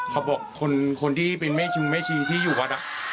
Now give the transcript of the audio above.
เค้าบอกคนที่เป็นเม่ชีวิทธิ์พี่อยู่วัดฯ